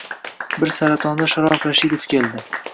Bir saratonda Sharof Rashidov keldi.